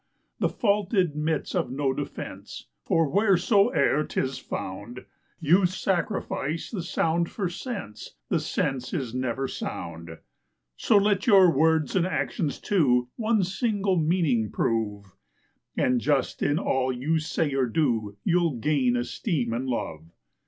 The fault admits of no defence, for wheresoe'er 'tis found, You sacrifice the sound for sense; the sense is never sound. So let your words and actions, too, one single meaning prove, And just in all you say or do, you'll gain esteem and love.